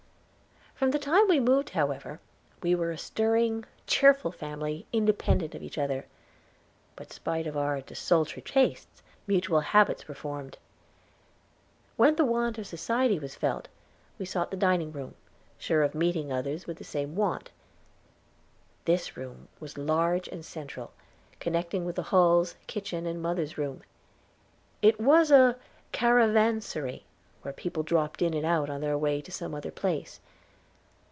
From the time we moved, however, we were a stirring, cheerful family, independent of each other, but spite of our desultory tastes, mutual habits were formed. When the want of society was felt, we sought the dining room, sure of meeting others with the same want. This room was large and central, connecting with the halls, kitchen, and mother's room. It was a caravansary where people dropped in and out on their way to some other place.